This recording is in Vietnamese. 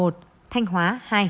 thanh hóa hai